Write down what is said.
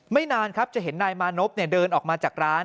นานครับจะเห็นนายมานพเดินออกมาจากร้าน